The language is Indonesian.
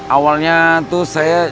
awalnya tuh saya